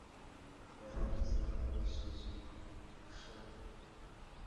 barangiza bakanabasuzuma ku bushake